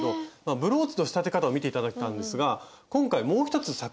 ブローチの仕立て方を見て頂いたんですが今回もう一つ作品がありますよね。